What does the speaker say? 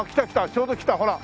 ちょうど来たほら。